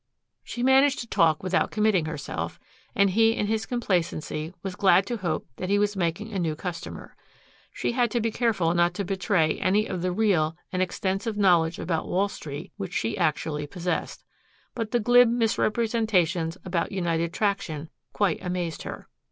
She managed to talk without committing herself, and he in his complacency was glad to hope that he was making a new customer. She had to be careful not to betray any of the real and extensive knowledge about Wall Street which she actually possessed. But the glib misrepresentations about United Traction quite amazed her.